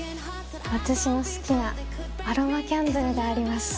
私の好きなアロマキャンドルがあります。